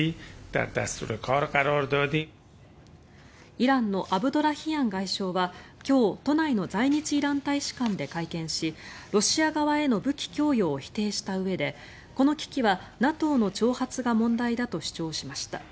イランのアブドラヒアン外相は今日、都内の在日イラン大使館で会見しロシア側への武器供与を否定したうえでこの危機はＮＡＴＯの挑発が問題だと主張しました。